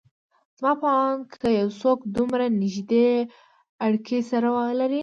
زما په اند که څوک دومره نيږدې اړکې سره ولري